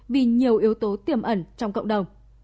vì nhiều yếu tố tiềm ẩn trong cộng đồng